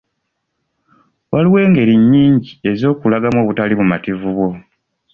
Waliwo engeri nnyingi ez’okulagamu obutali bumativu bwo.